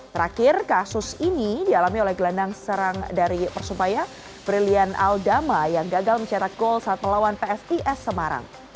terakhir kasus ini dialami oleh gelandang serang dari persebaya brilian aldama yang gagal mencetak gol saat melawan pfis semarang